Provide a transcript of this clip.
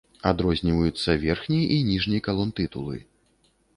Адрозніваюцца верхні і ніжні калонтытулы.